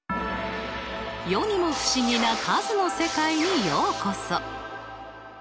世にも不思議な数の世界にようこそ。